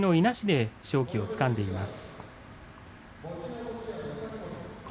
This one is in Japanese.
海が勝機をつかんでいます。